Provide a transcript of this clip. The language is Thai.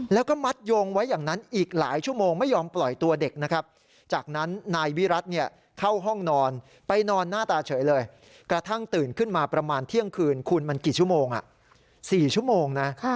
แล้วก็มัดโยงไว้อย่างนั้นอีกหลายชั่วโมงไม่ยอมปล่อยตัวเด็กนะครับจากนั้นนายวิรัติเข้าห้องนอนไปนอนหน้าตาเฉยเลยกระทั่งตื่นขึ้นมาประมาณเที่ยงคืนคุณมันกี่ชั่วโมง๔ชั่วโมงนะ